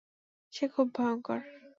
সে খুব ভয়ংকর।